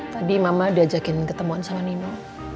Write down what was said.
tadi mama diajakin ketemuan sama nino